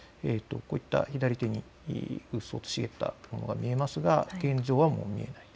左手にうっそうと茂ったものが見えますが現状はもう見えない。